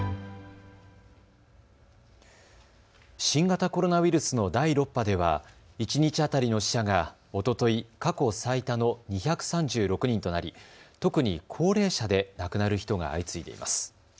新型コロナウイルスの第６波では一日当たりの死者がおととい過去最多の２３６人となり特に高齢者で亡くなる人が相次いでいます。